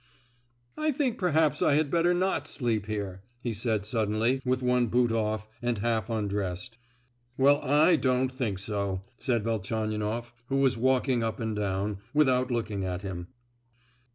"I think perhaps I had better not sleep here," he said suddenly, with one boot off, and half undressed. "Well, I don't think so," said Velchaninoff, who was walking up and down, without looking at him.